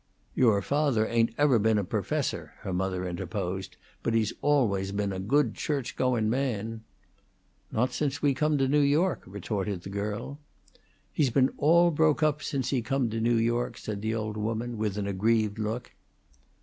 "Your fawther ain't ever been a perfessor," her mother interposed; "but he's always been a good church goin' man." "Not since we come to New York," retorted the girl. "He's been all broke up since he come to New York," said the old woman, with an aggrieved look.